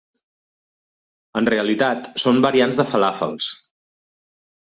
En realitat són variants de falàfels.